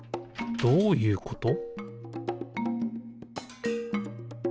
どういうこと？